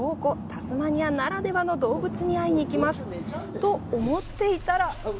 タスマニアならではの動物に会いに行きます。と思っていたら。